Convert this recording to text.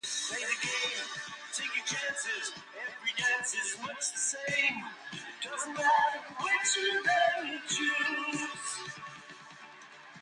He played his county cricket for Leicestershire, captaining the county for four seasons.